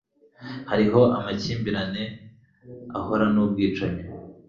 Hariho amakimbirane ahoraho nubwicanyi